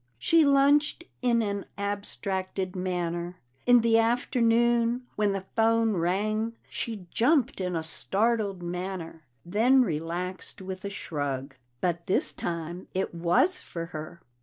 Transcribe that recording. She lunched in an abstracted manner. In the afternoon, when the phone rang, she jumped in a startled manner, then relaxed with a shrug. But this time it was for her.